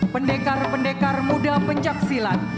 pendekar pendekar muda pencaksilat